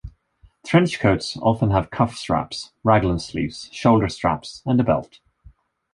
Trench coats often have cuff straps, raglan sleeves, shoulder straps and a belt.